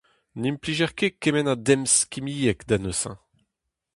N'implijer ket kement a demz kimiek da neuze.